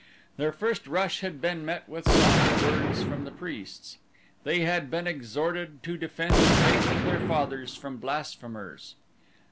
Their first rush had been met with soft words from the priests. They had been exhorted to defend the faith of their fathers from blasphemers.